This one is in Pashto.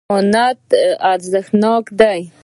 امانت ارزښتناک دی.